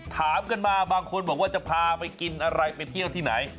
ถามกันมาบางคนบอกว่าจะพาไปกินอะไรไปเที่ยวที่ไหน